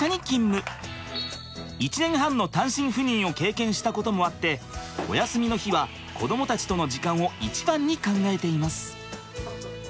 １年半の単身赴任を経験したこともあってお休みの日は子どもたちとの時間を一番に考えています。